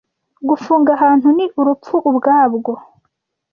Gufunga ahantu ni "urupfu ubwabwo,"